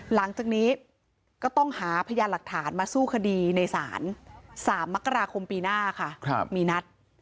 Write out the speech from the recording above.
หลังจากนี้ก็ต้องหาพยานหลักฐานมาสู้คดีในศาล๓มกราคมปีหน้าค่ะมีนัด